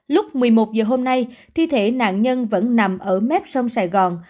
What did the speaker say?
lúc một mươi một giờ hôm nay thi thể nạn nhân vẫn nằm ở mép sông sài gòn